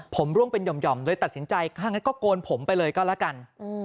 ผมร่วงเป็นห่อมเลยตัดสินใจถ้างั้นก็โกนผมไปเลยก็แล้วกัน